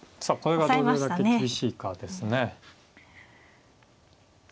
さあこれがどれだけ厳しいかですね。